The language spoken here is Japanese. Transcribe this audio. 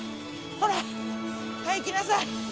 ほらはいいきなさい。